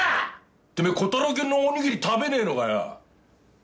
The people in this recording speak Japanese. てめえコタローきゅんのおにぎり食べねえのかよ？